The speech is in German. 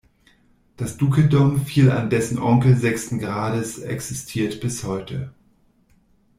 Das Dukedom fiel an dessen Onkel sechsten Grades existiert bis heute.